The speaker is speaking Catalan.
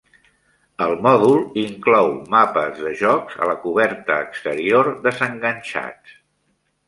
El mòdul inclou mapes de jocs a la coberta exterior desenganxats.